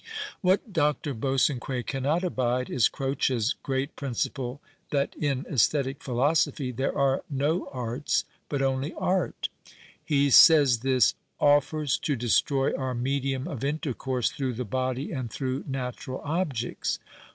What Dr. Bosanquet cannot abide is Croec's great principle that in aesthetic philosophy there are no arts but only art. He says this " offers to destroy our medium of intercourse through the body and through natural objects."